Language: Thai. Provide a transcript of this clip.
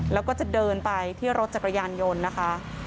แล้วก็จะเดินไปที่รถจักรยานยนต์นะคะ